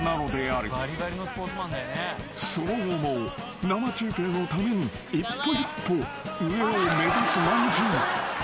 ［その後も生中継のために一歩一歩上を目指すまんじゅう］